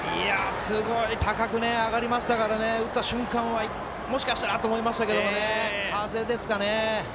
すごい高く上がりましたから打った瞬間はもしかしたらと思いましたけどね風ですかね。